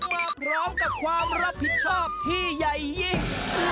มาพร้อมกับความรับผิดชอบที่ใหญ่ยิ่ง